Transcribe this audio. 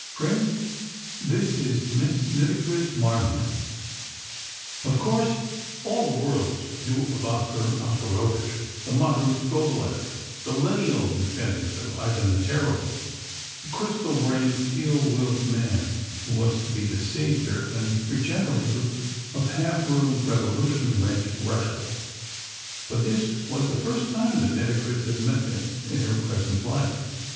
Prince, this is Miss Nitocris Marmion." Of course all the world knew of Oscar Oscarovitch, the modern Skobeleff, the lineal descendant of Ivan the Terrible, the crystal brained, steel willed man who was to be the saviour and regenerator of half ruined, revolution rent Russia, but this was the first time that Nitocris had met him in her present life.